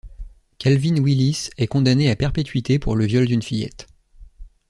Calvin Willis est condamné à perpétuité pour le viol d'une fillette.